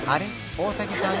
大竹さん